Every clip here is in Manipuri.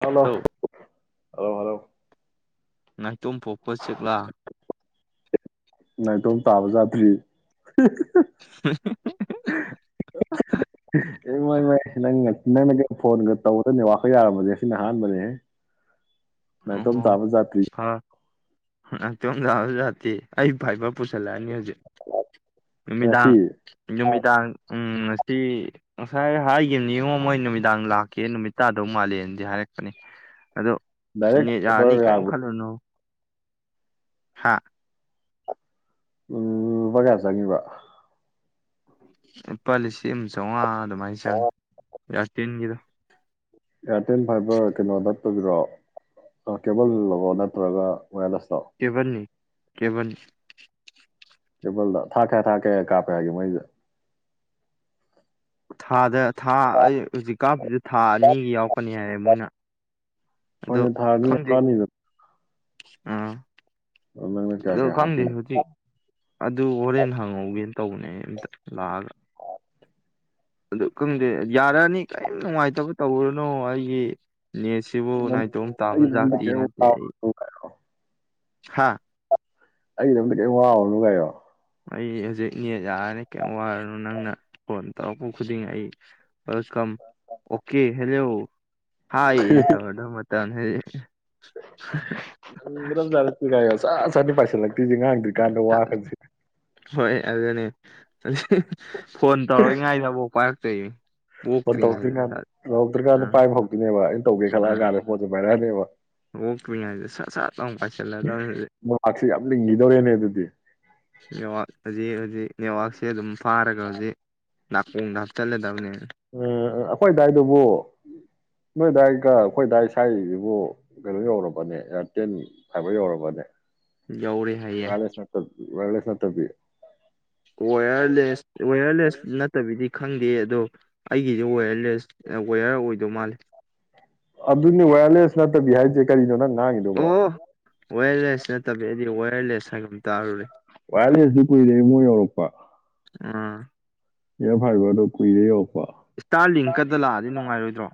ꯍꯜꯂꯣ ꯔꯣ ꯍꯂꯣ ꯍꯜꯂꯣ ꯅꯪ ꯇꯣꯝ ꯄꯣꯛꯄ ꯆꯦꯛꯂꯥ ꯇ꯭ꯔꯤ ꯃꯥꯏ ꯃꯥꯏ ꯅꯪꯒ ꯅꯪꯅꯒ ꯐꯣꯟꯒ ꯇꯧꯕꯗꯅꯦ ꯋꯥꯈ ꯌꯥꯔꯝꯕꯁꯦ ꯁꯤꯅ ꯑꯍꯥꯟꯕꯅꯦꯍꯦ ꯅꯥꯏꯇꯣꯝ ꯇꯥꯕ ꯖꯥꯇꯔꯤ ꯅꯥꯏꯇꯣꯝ ꯇꯥꯕ ꯖꯥꯇꯔꯤ ꯑꯩ ꯐꯥꯏꯕꯔ ꯄꯨꯁꯤꯜꯂꯛꯑꯅꯤ ꯍꯧꯖꯤꯛ ꯉꯁꯤ ꯅꯨꯃꯤꯗꯥꯡ ꯅꯨꯃꯤꯗꯥꯡ ꯎꯝ ꯉꯁꯤ ꯉꯁꯥꯏ ꯍꯥꯏꯈꯤꯕꯅꯤꯉꯣ ꯃꯣꯏ ꯅꯨꯃꯤꯗꯥꯡ ꯂꯥꯛꯀꯦ ꯅꯨꯃꯤꯠ ꯇꯥꯗꯧ ꯃꯥꯜꯂꯦꯅꯗꯤ ꯍꯥꯏꯔꯛꯄꯅꯤ ꯑꯗꯣ ꯗꯥꯏꯔꯦꯛ ꯅꯦꯠ ꯌꯥꯥꯅꯤ ꯐꯥꯏꯕꯔ ꯀꯩꯝ ꯌꯥꯕ ꯈꯜꯂꯨꯅꯨ ꯍꯥ ꯎꯝ ꯂꯨꯄꯥ ꯀꯌꯥ ꯆꯪꯒꯤꯕ ꯂꯨꯄꯥ ꯂꯤ ꯁꯤꯡ ꯑꯃ ꯆꯧꯉꯥ ꯑ ꯃꯥꯏ ꯆꯪ ꯌꯥꯔꯇꯦꯜꯒꯤꯗꯣ [inaudible] ꯑꯦꯌꯥꯔꯇꯦꯜ ꯐꯥꯏꯕꯔ ꯀꯩꯅꯣꯗꯣ ꯔꯣ ꯑ ꯀꯦꯕꯜ ꯂꯔꯣ ꯅꯠꯇ꯭ꯔꯒ ꯑꯣꯌꯔꯂꯦꯁ ꯀꯦꯕꯟꯅꯤ ꯀꯦꯕꯟ ꯀꯦꯕꯜꯂ ꯊꯥꯛꯈꯦ ꯊꯥꯛꯈꯌꯥ ꯀꯥꯞꯄꯦ ꯍꯥꯏꯒꯦ ꯃꯣꯏꯖꯦ ꯊꯥꯗ ꯊꯥ ꯑꯩ ꯍꯧꯖꯤꯛ ꯀꯥꯞꯄꯤꯖꯦ ꯊꯥ ꯑꯅꯤꯒꯤ ꯌꯥꯎꯔꯀꯅꯤ ꯍꯥꯏꯌꯦ ꯃꯣꯏꯅ ꯑꯗꯣ ꯍꯣꯏꯅꯦ ꯊꯥꯑꯅꯤ ꯈꯪꯗꯦ ꯀꯑꯝꯃꯤꯗꯣ ꯑꯥ ꯑꯣ ꯅꯪꯅ ꯀꯌꯥ ꯑꯗꯣ ꯀꯌꯥ ꯈꯪꯗꯦ ꯍꯥꯞꯇꯣꯏꯅꯣ ꯍꯧꯖꯤꯛ ꯑꯗꯨ ꯍꯣꯔꯦꯟ ꯍꯪꯍꯧꯒꯦꯅ ꯇꯧꯕꯅꯦ ꯑꯩꯅ ꯑꯝꯇ ꯂꯥꯛꯑꯒ ꯑꯗꯨ ꯈꯪꯗꯦ ꯌꯥꯔꯛꯑꯅꯤ ꯀꯩꯏꯝ ꯅꯨꯡꯉꯥꯏꯇꯕ ꯇꯧꯔꯨꯅꯣ ꯑꯩꯖꯤ ꯅꯦꯠꯁꯤꯕꯨ ꯅꯥꯏꯇꯣꯝ ꯇꯥꯕ ꯑꯩꯒꯤꯗꯃꯛꯇ ꯖꯥꯇꯤ ꯀꯩꯝ ꯅꯠꯇꯦ ꯑꯩ ꯋꯥꯔꯨꯅꯨ ꯍꯥꯥ ꯑꯩꯒꯤ ꯗꯃꯛꯇ ꯀꯔꯤꯝ ꯋꯥꯔꯣꯅꯨ ꯀꯩꯅꯣ ꯑꯩ ꯍꯧꯖꯤꯛꯅꯦꯠ ꯌꯥꯔꯅꯤ ꯀꯩꯝ ꯋꯥꯔꯅꯨ ꯅꯪꯅ ꯐꯣꯟ ꯇꯧꯔꯛꯄ ꯈꯨꯗꯤꯡ ꯑꯩ ꯋꯦꯜꯀꯝ ꯑꯣꯀꯦ ꯍꯦꯜꯂꯣ ꯍꯥꯏ ꯌꯦ ꯅ ꯇꯧꯔꯗꯧ ꯃꯇꯝꯅꯦ ꯍꯖ ꯆ ꯗꯝ ꯆꯔꯁꯤ ꯀꯥꯏ [unintelligible] ꯆ ꯁꯥ ꯅꯤ ꯄꯥꯏꯁꯜ ꯂꯛ ꯅꯨꯄꯤꯖꯦ ꯉꯥꯡꯗ꯭ꯔꯤꯀꯥꯟꯗ ꯋꯥꯍꯪꯁꯦ ꯌꯥꯖꯅꯤ ꯍꯣ ꯑꯣꯛꯇ꯭ꯔꯤꯉꯩꯗ ꯇꯧꯔꯛꯇ꯭ꯔꯤꯀꯥꯟꯗ ꯁꯠ ꯇꯧꯔꯛꯇ꯭ꯔꯤꯀꯥꯟꯗ ꯑꯥ ꯄꯥꯏꯕ ꯍꯧꯗꯣꯏꯅꯦꯕ ꯑꯩꯅ ꯇꯧꯒꯦ ꯈꯜꯂꯛꯑ ꯀꯥꯟꯗ ꯐꯣꯟꯁꯦ ꯄꯥꯏꯔ ꯅꯦ ꯕ ꯑꯣꯛꯇ꯭ꯔꯤꯉꯩꯗꯦ ꯁꯠ ꯁꯠ ꯂꯥꯎ ꯄꯥꯏꯁꯤꯜꯂꯗꯧꯅꯤ ꯍꯧꯖꯤꯛ ꯃꯥꯔꯛꯁꯦ ꯌꯥꯝ ꯂꯤꯡꯈꯤꯗꯧꯔꯦꯅꯦ ꯑꯗꯨꯗꯤ ꯅꯦꯋꯥꯛ ꯍꯧꯖꯤꯛ ꯍꯧꯖꯤꯛ ꯅꯦꯠꯋꯥꯛꯁꯦ ꯑꯗꯨꯝ ꯐꯥꯔꯒ ꯍꯧꯖꯤꯛ ꯅꯥꯀꯣꯡꯗ ꯍꯥꯞꯆꯜꯂꯗꯕꯅꯦ ꯎꯝ ꯑꯩꯈꯣꯏꯗꯥꯏꯗꯨꯕꯨ ꯅꯣꯏ ꯗꯥꯏ ꯀ ꯑꯩꯈꯣꯏꯗꯥꯏ ꯏꯁꯥꯏꯖꯤꯕꯨ ꯀꯩꯅꯣ ꯌꯧꯔꯕꯅꯦ ꯏꯌꯥꯔꯇꯦꯟ ꯐꯥꯏꯕꯔ ꯌꯧꯔꯕꯅꯦ ꯌꯧꯔꯦ ꯍꯥꯏꯌꯦ ꯋꯥꯌꯔꯂꯦꯁ ꯅꯠꯇꯕꯤ ꯋꯥꯌꯔꯂꯦꯁ ꯅꯠꯇꯕꯤ ꯋꯔꯂꯦꯁ ꯋꯥꯌꯔꯂꯦꯁ ꯅꯠꯇꯕꯤꯗꯤ ꯈꯪꯗꯦ ꯑꯗꯣ ꯑꯩꯒꯤꯁꯨ ꯑꯣꯏꯋꯔ ꯂꯦꯁ ꯋꯦꯌꯔ ꯑꯣꯏꯗꯧ ꯃꯥꯜꯂꯦ ꯑꯗꯨꯅꯤ ꯋꯥꯔꯂꯦꯁ ꯅꯠꯇꯕꯤ ꯍꯥꯏꯖꯦ ꯀꯔꯤꯅꯣ ꯅꯪ ꯉꯥꯡꯉꯤꯗꯨꯕꯣ ꯑꯣ ꯋꯥꯌꯔꯂꯦꯁ ꯅꯠꯇꯕꯤ ꯑꯩꯗꯤ ꯋ ꯂꯦꯁ ꯍꯥꯏꯒꯨꯝ ꯇꯥꯔꯨꯔꯦ ꯋꯥꯂꯁꯨ ꯀꯗꯦꯃꯣ ꯌꯧꯔꯄꯥ ꯑꯥ ꯌꯥ ꯐꯥꯏꯕ ꯇ ꯀꯏꯔꯦ ꯗ ꯏꯁꯇꯥꯔ ꯂꯤꯡꯀꯗ ꯂꯥꯛꯑꯗꯤ ꯅꯨꯡꯉꯥꯏꯔꯣꯏꯗ꯭ꯔꯣ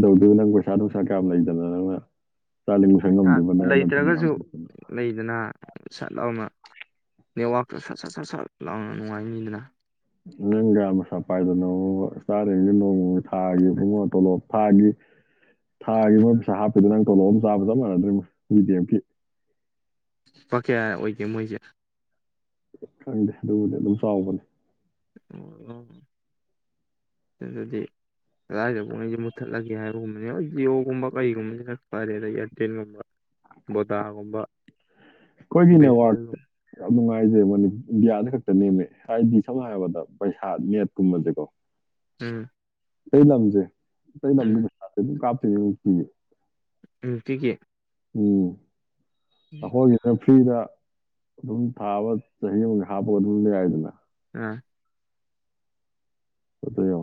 ꯂ ꯄꯁꯥꯗ ꯀꯌꯥꯌꯥꯝ ꯂꯩꯖꯅꯅ ꯆꯥꯅꯤꯡꯕ ꯏꯁꯇꯥꯔ ꯁꯪꯉꯝꯗꯕꯅ ꯅꯠꯇ ꯌꯥꯝ ꯂꯩꯇ꯭ꯔꯒꯁꯨ ꯂꯩꯗꯅ ꯁꯠ ꯂꯥꯎꯅ ꯅꯦꯠꯋꯥꯛꯇ ꯁꯠ ꯁꯠ ꯁꯠ ꯁꯠ ꯂꯥꯎꯅ ꯅꯨꯡꯉꯥꯏꯅꯤꯗꯅ ꯅꯪ ꯔꯝ ꯁꯄ ꯍꯥꯏꯗꯅ ꯁꯔ ꯊꯥꯒꯨꯡꯉꯣ ꯇꯂꯞ ꯊꯥꯒꯤ ꯊꯥꯒꯤ ꯃꯣꯏ ꯄꯩꯁꯥ ꯍꯥꯞꯄꯤꯗꯨ ꯅꯪ ꯇꯣꯂꯣꯞ ꯑꯃꯝ ꯆꯥꯕ ꯆꯞ ꯃꯥꯟꯅꯗꯣꯏꯔꯤ ꯕꯤꯗꯤꯤ ꯑꯦꯐꯀꯤ ꯄꯀꯌꯥ ꯑꯣꯏꯒꯦ ꯃꯣꯏꯁꯦ ꯈꯪꯗꯦ ꯑꯗꯨꯕꯨꯗꯤ ꯑꯗꯨꯝ ꯆꯥꯎꯕꯅꯦ ꯑꯣ ꯑꯗꯨꯗꯤ ꯀꯗꯥꯏꯗꯐꯥꯎ ꯑꯩꯩꯁꯦ ꯃꯨꯠꯊꯠꯂꯒꯦ ꯍꯥꯏꯕꯒꯨꯝꯕꯅꯦ ꯍ ꯖꯤꯑꯣꯣꯒꯨꯝꯕ ꯀꯩꯒꯨꯝꯕ ꯈ ꯐꯔꯦ ꯑꯗ ꯏꯌꯥꯔꯇꯦꯜꯒꯨꯝꯕ ꯕꯣꯗꯥꯒꯨꯝꯕ ꯀꯣꯏꯒꯤꯅꯦ ꯋꯥꯔ ꯕꯤꯁꯅꯦꯜꯒꯨꯝꯕ ꯍꯥꯏꯁꯦ ꯏꯟꯗꯤꯌꯥꯅ ꯈꯛꯇ ꯅꯦꯝꯃꯦ ꯍꯥꯏꯗꯤ ꯁꯝꯅ ꯍꯥꯏꯔꯕꯗ ꯄꯩꯁꯥ ꯅꯦꯠꯀꯨꯝꯕꯁꯦꯀꯣ ꯎꯝ ꯂꯩ ꯂꯝꯝꯁꯦ ꯁ ꯂ ꯎꯝ ꯀ ꯦ ꯎꯝ ꯀꯒꯤ ꯎꯝ ꯍꯦ ꯐ꯭ꯔꯤꯗ ꯑꯗꯨꯝ ꯊꯥꯕ ꯆꯍꯤ ꯑꯃꯒ ꯍꯥꯞꯄꯒ ꯑꯗꯨꯝ ꯂꯩ ꯌꯥꯏꯗꯅ ꯑꯥ ꯐꯠꯇꯣ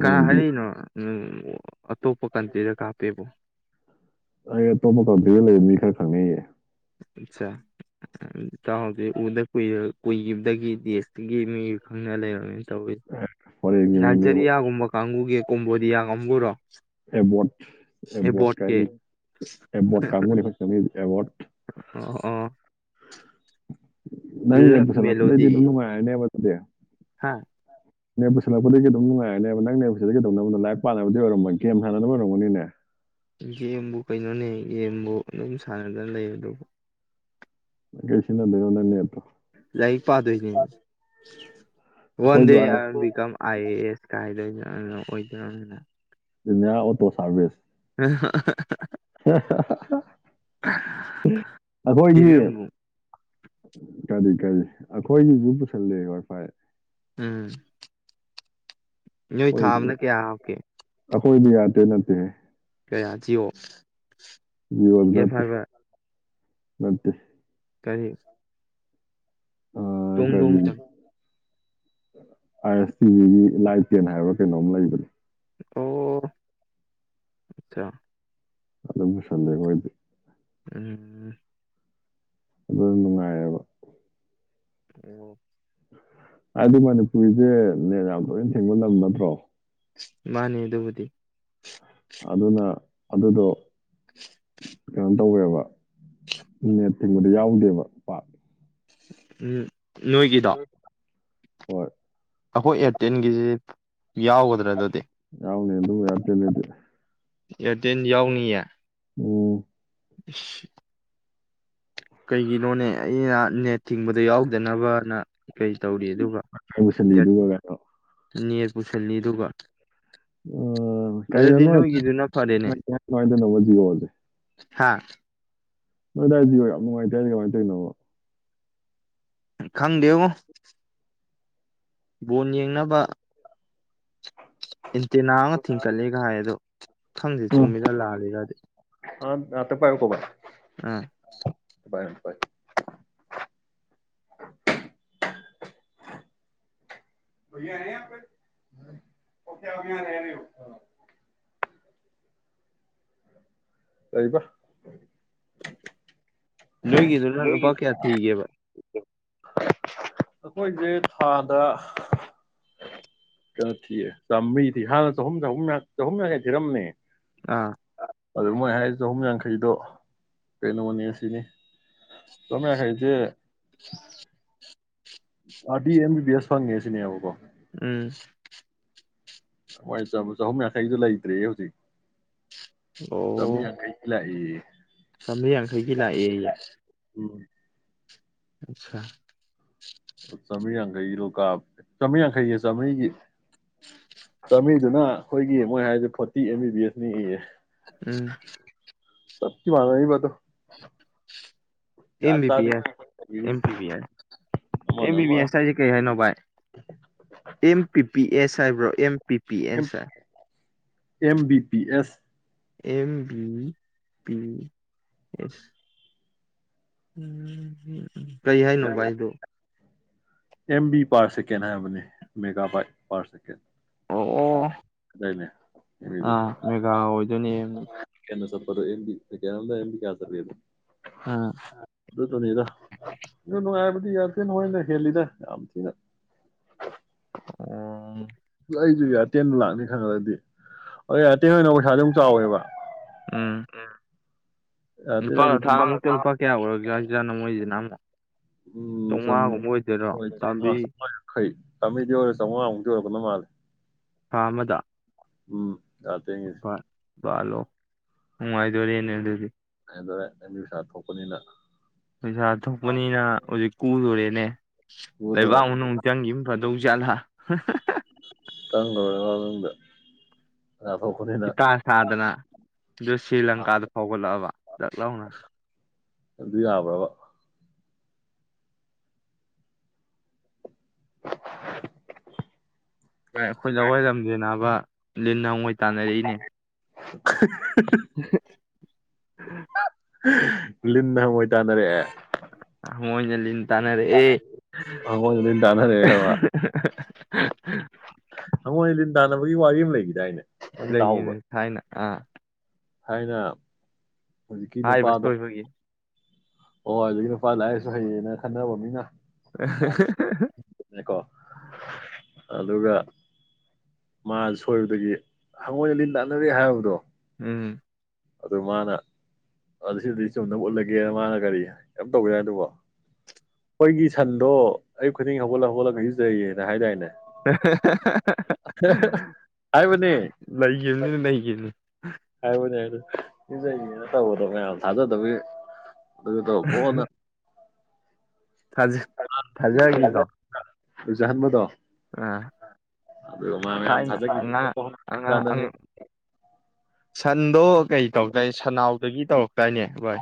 ꯀ ꯍꯥꯏꯔꯤꯅꯣ ꯎꯝ ꯑꯇꯣꯞꯄ ꯀꯟꯇ꯭ꯔꯤꯗ ꯀꯥꯞꯄꯦꯕ ꯑ ꯇꯣꯄ ꯇꯧ ꯂꯩ ꯑꯗꯨ ꯃꯤ ꯈꯔ ꯈꯪꯅꯤꯌꯦꯦ ꯑꯆꯥꯖꯤ ꯎꯗ ꯀꯨꯏꯕꯗꯒꯤ ꯗꯦꯁꯇꯒꯤ ꯃꯤ ꯈꯪꯅ ꯂꯩꯔꯝꯃꯤ ꯇ ꯍꯣꯔꯦꯟꯒꯤ ꯃꯤꯅꯦ ꯅꯖꯔꯤꯌꯥꯒꯕ ꯀꯥꯡꯪꯨꯒꯤꯦ ꯀꯣꯝꯕꯣꯗꯤꯌꯥ ꯀꯝꯕꯨꯨꯔꯣ ꯑꯦꯕꯠ ꯑꯦꯕꯠ ꯀꯥ ꯑꯦꯕꯠ ꯀꯃꯅꯤꯁ ꯑꯦꯋꯥꯔꯗ ꯑꯣ ꯑꯣ ꯅꯪ ꯂꯞ ꯅꯦꯕꯁꯂ ꯀꯠꯇꯗꯣ ꯅꯕ ꯑꯗꯦ ꯍꯥꯥ ꯅꯅꯦ ꯄꯨꯁꯤꯜꯂꯛꯄꯗꯒꯤ ꯑꯗꯨꯝ ꯅꯨꯡꯉꯥꯏꯔꯅꯦꯕ ꯅꯪꯅꯦ ꯄꯨꯁꯤꯗ ꯀꯩꯗꯧꯅꯕꯅꯣ ꯂꯥꯏꯔꯤꯛ ꯄꯥꯅꯕꯗꯤ ꯑꯣꯏꯔꯝꯕ ꯒꯦꯝ ꯁꯥꯟꯅꯕ ꯑꯣꯏꯔꯝꯒꯅꯤꯅꯦ ꯒꯦꯝꯕꯨ ꯀꯩꯅꯣꯅꯦ ꯒꯦꯝꯕꯨ ꯑꯗꯨꯝ ꯁꯥꯟꯅꯗꯅ ꯂꯩ ꯑꯗꯨꯕꯨ ꯀꯁꯤꯅꯗꯦꯒ ꯅꯅꯦꯦꯠꯇ ꯂꯥꯏꯔꯤꯛ ꯄꯥꯗꯣꯏꯁꯤꯅꯦ ꯋꯥꯟ ꯗꯦ ꯑꯩꯈꯣꯏꯁꯨ ꯑ I become I A S ꯀꯥꯏꯗꯣꯏ ꯑꯣꯏꯗꯣꯏꯅꯤꯅ ꯏꯅꯦꯌꯥ ꯑꯣꯇꯣ ꯁꯔꯚꯤꯁꯁ [inaudible] ꯑꯩꯈꯣꯏꯒꯤ ꯄꯤꯕꯤꯔꯝꯃꯨ ꯀꯔꯤ ꯀꯔꯤ ꯑꯩꯈꯣꯏꯒꯤꯁꯨ ꯄꯨꯁꯜꯂꯦ ꯋꯥꯏ ꯐꯥꯏ ꯎꯝ ꯅꯣꯏ ꯊꯥꯕꯅ ꯀꯌꯥ ꯍꯥꯞꯀꯦ ꯍꯣꯏꯗꯤ ꯌꯥꯗꯦ ꯅꯠꯇꯦ ꯀꯌꯥ ꯖꯤꯑꯣ ꯋꯥꯗ ꯑꯦꯐ ꯍꯥꯏꯕ ꯃꯠꯇ ꯀꯔꯤ ꯑꯥ ꯀꯔꯤ ꯇꯣꯡꯗꯣꯡꯇꯪ ꯑꯥꯏ ꯑꯦꯁ ꯇꯤꯚꯒꯤ ꯂꯥꯏ ꯇꯦꯟ ꯍꯥꯏꯕ ꯀꯩꯅꯣꯝ ꯂꯩꯕꯅꯦ ꯑꯣ ꯑꯆꯥ ꯑꯗꯨ ꯑꯗꯨꯕꯨ ꯁꯗꯦ ꯑꯣꯏꯣꯏꯗꯦ ꯎꯝ ꯑꯗꯨ ꯅꯨꯡꯉꯥꯏꯕ ꯑꯣꯝ ꯍꯥꯏꯗꯤ ꯃꯅꯤꯄꯨꯔꯤꯁꯦꯅꯦ ꯌꯥꯝ ꯂꯣꯏꯅ ꯊꯦꯡꯕ ꯂꯝ ꯅꯠꯇ꯭ꯔꯣ ꯃꯥꯅꯦ ꯑꯗꯨꯕꯨꯗꯤ ꯑꯗꯨꯅ ꯑꯗꯨꯗꯣ ꯀꯩꯅꯣ [inaudible] ꯇꯧꯋꯦꯕ ꯅꯦꯠ ꯊꯤꯡꯕꯗ ꯌꯥꯎꯗꯦꯕ ꯄꯥꯛ ꯎ ꯅꯣꯏꯒꯤꯗꯣ ꯍꯣꯏ ꯑꯩꯈꯣꯏ ꯑꯦꯌꯥꯔꯇꯦꯟꯒꯤꯁꯤ ꯌꯥꯎꯒꯗ꯭ꯔꯥ ꯑꯗꯨ ꯌꯥꯎꯅꯦ ꯑꯗꯨ ꯌꯥꯗꯅꯦꯦ ꯑꯦꯌꯥꯔꯇꯦꯜ ꯌꯥꯎꯅꯤꯌꯦ ꯑꯣ [inaudible] ꯀꯩꯒꯤꯅꯣꯅꯦ ꯑꯩꯅ ꯅꯦꯠ ꯊꯤꯡꯕꯗ ꯌꯥꯎꯗꯅꯕꯅ ꯀꯩ ꯇꯧꯔꯤ ꯑꯗꯨꯒ ꯃꯨꯁꯜꯂꯤꯗꯨꯒ ꯀꯩꯅꯣ ꯄꯨꯁꯜꯅꯤ ꯑꯗꯨꯒ ꯎ ꯑꯗꯨꯗꯤ ꯅꯣꯏꯒꯤꯗꯨꯅ ꯐꯔꯦꯅꯦ ꯀꯗꯣꯉꯥꯏꯅꯧꯕ ꯖꯤꯑꯣꯣꯁꯦ ꯍꯥ ꯅꯣꯏꯗꯥꯏꯗꯤ ꯌꯥꯝ ꯅꯨꯡꯉꯥꯏꯇꯥꯏ ꯍꯥꯏꯗꯤ ꯀꯃꯥꯏꯅ ꯇꯧꯔꯤꯅꯣ ꯈꯪꯗꯦꯕꯣ ꯕꯣꯟ ꯌꯦꯡꯅꯕ ꯏꯟꯇꯦꯅꯥ ꯑꯃ ꯊꯤꯡꯀꯠꯂꯒ ꯍꯥꯏ ꯑꯗꯣ ꯈꯪꯗꯦ ꯆꯨꯝꯃꯤꯔ ꯂꯥꯂꯒꯗꯤ ꯑ ꯑꯇ ꯄꯥꯏꯣ ꯀꯣꯕ ꯑꯥ ꯔ ꯐ ꯇꯏꯔꯤꯕ ꯂꯣꯏꯒꯗ ꯂ ꯂꯨꯄꯥ ꯀꯌꯥ ꯊꯒꯦ ꯑꯩꯈꯣꯏꯁꯦ ꯊꯥꯗ ꯀꯩꯅꯣ ꯊꯤꯌꯦ ꯆꯥꯝꯃꯔꯤ ꯊꯤ ꯍꯥꯟꯅ ꯆꯍꯨꯝ ꯆ ꯆꯍꯨꯝ ꯌꯥꯡꯈꯩ ꯊꯤꯔꯝꯃꯦ ꯑꯥ ꯑꯗꯨ ꯃꯣꯏ ꯍꯥꯏꯔꯤ ꯆꯍꯨꯝ ꯌꯥꯡꯈꯩꯗꯣ ꯀꯩꯅꯣꯅꯦ ꯑꯁꯤꯅꯤ ꯇꯃꯦ ꯍꯥꯏꯩꯗꯤꯦ [inaudible] ꯑꯗꯤ ꯑꯦꯝ ꯕꯤ ꯕꯤ ꯑꯦꯁ ꯐꯪꯉꯦ ꯁꯤꯅꯦꯕꯀꯣ ꯎꯝ ꯏ ꯆꯕ ꯆꯍꯨꯝ ꯌꯥꯡꯈꯩꯗꯨ ꯂꯩꯇ꯭ꯔꯦ ꯍꯧꯖꯤꯛ ꯑꯣ ꯆꯃꯌꯥ ꯀꯩ ꯀꯂ ꯆꯥꯝꯃꯔꯤ ꯌꯥꯡꯈꯩꯒꯤ ꯂꯥꯛꯑꯦ ꯎꯝ ꯑꯆꯥ ꯆꯥꯝꯃꯔꯤ ꯌꯥꯡꯈꯩꯒꯤ ꯂꯣꯀꯥ ꯆꯥꯝꯃꯔꯤ ꯌꯥꯡꯈꯩꯒꯤ ꯆꯥꯝꯃꯔꯤꯒꯤ ꯆꯃꯤ ꯑꯗꯨꯅ ꯑꯩꯈꯣꯏꯒꯤ ꯃꯣꯏ ꯍꯥꯏꯔꯤꯁꯦ ꯐꯣꯔꯇꯤ ꯑꯦꯝ ꯕꯤ ꯕꯤ ꯑꯦꯁꯅꯤ ꯏꯌꯦ ꯎꯝ ꯁꯀꯤꯃꯅꯕꯠꯇ M B P S M ꯇꯧꯕꯤꯔꯤꯁꯦ ꯄꯤ ꯄꯕꯤ ꯑꯦꯁ ꯑꯦꯝ ꯑꯃꯅ ꯕꯤ ꯄꯕꯤ ꯑꯃ ꯑꯦꯁ ꯍꯥꯏꯁꯦ ꯀꯔꯤ ꯍꯥꯏꯅꯣ ꯚꯏ ꯑꯦꯝ ꯄꯤ ꯄꯤ ꯑꯦꯁ ꯍꯥꯏꯕ꯭ꯔꯣ M P P M S ꯍꯥꯏ M B P S M B P S ꯎꯝꯝ ꯎꯝ ꯀꯩ ꯍꯥꯏꯅꯣ ꯚꯥꯏꯗꯨ ꯑꯦꯝ ꯕꯤ ꯄꯥꯔ ꯁꯦꯀꯦꯟ ꯍꯥꯏꯕꯅꯤ ꯃꯦꯒꯥ ꯄꯥꯔ ꯁꯦꯀꯦꯟ ꯑꯣ ꯑꯣ ꯑꯗꯥꯏꯅꯦ ꯑ ꯃꯦꯒꯥ ꯑꯣꯏꯗꯣꯏꯅꯤ ꯀꯩꯅꯣ ꯁꯄꯔꯕꯤ ꯀꯌꯥꯅꯗꯤ ꯀꯌꯥ ꯁꯔ ꯑꯗꯨ ꯎꯝ ꯑꯗꯨ ꯇꯅꯤꯗ ꯑꯗꯨꯅꯅꯨꯡ ꯗꯤ ꯌꯥ ꯊꯅ ꯍꯣꯏꯅ ꯍꯦꯜꯂꯤꯗ ꯌꯥꯝꯝ ꯊꯗ ꯑꯣ ꯑꯩꯁꯨ ꯌꯥ ꯑꯔꯇꯦꯟꯗ ꯂꯥꯛꯅꯤ ꯈꯪꯉꯒꯗꯤ ꯑ ꯑꯔꯇꯦꯟ ꯑꯣꯏꯅ ꯄꯩꯁꯥꯁꯨꯣ ꯌꯥꯝ ꯆꯥꯎꯋꯦꯕ ꯎꯝ ꯑꯇꯩ ꯂꯨꯄꯥ ꯑꯗꯨ ꯊꯥꯃꯨꯛꯇ ꯑꯗꯨꯝ ꯂꯨꯄꯥ ꯀꯌꯥ ꯑꯣꯏꯔꯒꯁꯨꯥꯖꯥꯠꯅ ꯃꯣꯏꯁꯤꯅ ꯎꯝ ꯆꯥꯝꯃꯉꯥꯒꯨꯝꯕ ꯑꯣꯏꯗꯣꯏꯔꯣ ꯆꯥꯝꯃꯔꯤ ꯀꯃꯤꯗꯤ ꯑꯣꯏ ꯁꯃ ꯑꯃꯛꯇ ꯑꯣꯏꯔ ꯀꯅ ꯃꯥꯜꯦ ꯊꯥꯃꯗ ꯎꯝ ꯗꯥꯇꯦ ꯕꯥꯂꯣ ꯅꯉꯥꯢꯗꯣꯔꯦꯅꯦ ꯑꯗꯨꯗꯤ ꯗꯔꯦ ꯑꯦꯝꯌꯨꯁꯥ ꯊꯣꯛꯄꯅꯤꯅ ꯄꯩꯁꯥ ꯊꯣꯛꯄꯅꯤꯅ ꯍꯧꯖꯤꯛ ꯀꯨꯗꯣꯔꯦꯅꯦ ꯄꯨꯗꯣꯔꯦ ꯂꯩꯕꯥꯛ ꯃꯅꯨꯡ ꯆꯪꯕꯅ ꯐꯗꯧꯖꯥꯠꯂꯥ ꯍꯥꯍꯥꯍꯥ [unintelligible] ꯍꯤꯇꯥ ꯁꯥꯗꯅ ꯑꯗꯨ ꯁ꯭ꯔꯤ ꯂꯪꯀꯥꯗ ꯐꯥꯎꯒꯠꯂꯛꯑꯕ ꯗꯛ ꯂꯧꯥꯎꯅ ꯑꯗꯨ ꯌꯥꯕ꯭ꯔꯕ [inaudible] ꯕꯥꯢ ꯑꯩꯈꯣꯏ ꯂꯧꯋꯥꯏꯔꯝꯗꯦꯅꯥꯕ ꯂꯤꯟ ꯅ ꯍꯉꯣꯢꯏ ꯇꯥꯟꯅꯔꯛꯏꯅꯦ ꯍꯍꯍ ꯍꯍꯍ ꯂꯤꯟꯅ ꯍꯪꯉꯣꯏ ꯇꯥꯅꯔꯛꯑꯦ ꯍꯉꯣꯢꯅ ꯂꯤꯟ ꯇꯅꯔꯦ ꯑꯦ ꯍꯪꯉꯣꯏꯅ ꯂꯤꯟ ꯇꯥꯟꯅꯔꯛꯑꯦꯕ ꯍꯪꯉꯣꯏ ꯂꯤꯟ ꯇꯥꯟꯅꯕꯒꯤ ꯋꯥꯔꯤ ꯑꯃ ꯂꯩꯒꯤꯗꯥꯢꯅꯦ ꯂꯩꯌꯦꯅꯦ ꯊꯥꯏꯅ ꯑꯥ ꯍꯥꯏꯅ ꯍꯥꯏꯕ [unintelligible] ꯍꯣꯏ ꯑꯗꯨꯒꯤ ꯅꯨꯄꯥ ꯂꯥꯛꯑꯦꯁꯨ ꯍꯩꯌꯦꯅ ꯈꯟꯅꯔꯕ ꯃꯤꯅ ꯑꯍꯍꯍꯍ ꯀꯣ ꯑꯗꯨꯒ ꯃꯥ ꯁꯣꯏꯕꯗꯒꯤ ꯍꯪꯉꯣꯏꯅ ꯂꯤꯟ ꯂꯥꯟꯅꯔꯦ ꯍꯥꯏꯕꯗꯣ ꯎꯝ ꯑꯗꯨ ꯃꯥꯅ ꯁꯤꯗꯤ ꯆꯨꯝꯅꯕ ꯎꯠꯂꯒꯦꯅ ꯃꯥꯅ ꯀꯔꯤ ꯌꯥꯝ ꯇꯧꯒꯦ ꯌꯥꯏ ꯑꯗꯨꯕꯣ ꯑꯩꯈꯣꯏꯒꯤ ꯁꯟꯗꯣ ꯑꯌꯨꯛ ꯈꯨꯗꯤꯡ ꯍꯧꯒꯠꯂꯒ ꯍꯧꯒꯠꯂꯒꯁꯨꯖꯩꯌꯦꯅ ꯍꯥꯏꯗꯥꯏꯅꯦ ꯍꯍꯍꯍꯍ ꯍꯥꯏꯕꯅꯦ ꯂꯩꯈꯤꯕꯅꯤꯅ ꯂꯩꯈꯤꯕꯅꯤ ꯍꯥꯢꯕꯅꯦ [unintelligible] ꯃꯌꯥꯝ ꯊꯥꯖꯗꯕꯩ ꯑꯗꯨ ꯇꯣ ꯀꯣꯅ ꯊꯥꯖ ꯊꯥꯖꯒꯤꯗꯣ ꯂꯨꯖꯍꯟꯕꯗꯣ ꯑ ꯑꯗꯨꯒ ꯃꯥ ꯃꯌꯥꯝ ꯊꯥꯏꯅ ꯊꯥꯖꯈꯤꯗ꯭ꯔꯣ ꯑꯉꯥꯡ ꯑꯉꯥ ꯑ ꯀꯥꯟꯗꯅꯤ ꯁꯟꯗꯣ ꯀꯩ ꯇꯧꯗꯥꯏ ꯁꯅꯥꯎꯗꯒꯤ ꯇꯧ ꯀꯥꯏꯅꯤ ꯣꯏ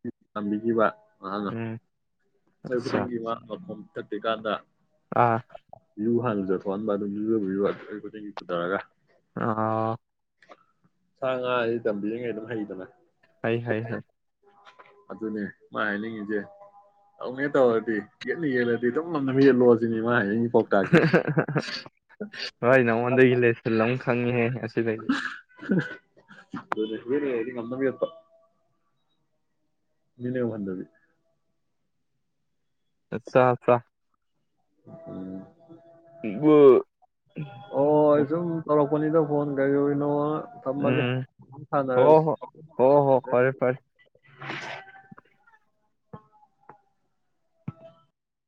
ꯅꯨꯄꯤ ꯇꯝꯕꯤꯈꯤꯕ ꯎꯝ ꯑꯠꯆꯥ ꯑꯅꯪꯈꯤꯕ ꯃꯐꯝ ꯊꯇꯤꯀꯥꯟꯗ ꯑꯥ ꯖꯨ ꯍꯥꯟꯂꯨꯊ ꯊꯣꯛꯍꯟꯕ ꯑꯗꯨꯝ ꯌꯨꯗꯕꯤꯨ ꯑꯩ ꯈꯨꯗꯤꯡꯒꯤ ꯄꯨꯊꯔꯒ ꯑ ꯁꯥ ꯉꯥꯗꯤ ꯇꯝꯕꯤꯔꯤꯉꯩ ꯑꯗꯨꯝ ꯍꯩꯗꯅ ꯍꯥꯏ ꯍꯥꯏ ꯑꯗꯨꯅꯦ ꯃꯥ ꯍꯥꯏꯅꯤꯡꯉꯤꯁꯦ ꯇꯧꯉꯦ ꯇꯧꯔꯗꯤ ꯌꯦꯟꯅ ꯌꯦꯜꯂꯗꯤ ꯑꯗꯨꯝ ꯉꯝꯅꯕ ꯌꯦꯜꯂꯣꯁꯤꯅꯤ ꯃꯥ ꯍꯥꯏꯅꯤꯡꯉꯤꯁꯦ [inaudible] ꯍꯣꯏ ꯅꯃꯗ ꯏꯂꯦꯂ ꯂꯪ ꯈꯪꯉꯍꯦ ꯑꯗꯨꯔ ꯍꯥꯏꯗꯤ ꯃꯅꯕꯤꯠꯇ ꯃꯤꯂꯕꯥꯟꯗꯕꯤ ꯑꯆꯥꯐ꯭ꯔꯥ ꯑꯣꯁꯨꯨꯝ ꯇꯂꯣ ꯅꯤꯗ ꯐꯣꯟ ꯀ ꯏꯩꯅꯣ ꯃꯒ ꯍꯣ ꯊꯅꯔꯖ ꯍꯣ ꯍꯣ ꯍꯣ ꯐꯔꯦ ꯐꯔꯦ